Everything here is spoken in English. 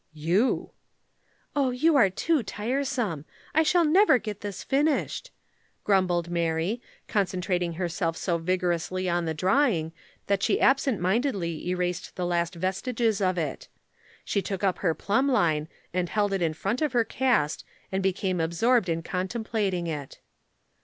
"You." "Oh, you are too tiresome. I shall never get this finished," grumbled Mary, concentrating herself so vigorously on the drawing that she absent mindedly erased the last vestiges of it. She took up her plumb line and held it in front of her cast and became absorbed in contemplating it.